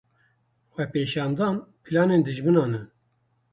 Xwepêşandan planên dijminan in.